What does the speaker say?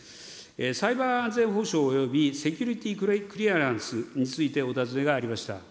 サイバー安全保障およびセキュリティ・クリアランスについてお尋ねがありました。